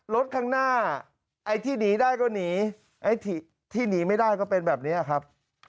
รถข้างหน้าไอ้ที่หนีได้ก็หนีไอ้ที่หนีไม่ได้ก็เป็นแบบนี้ครับ